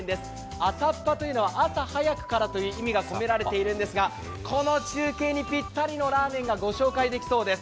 あさっぱというのは朝早くからという意味がつけられているんですが、この中継にぴったりのラーメンがご紹介できそうです。